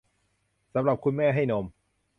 สำหรับคุณแม่ให้นม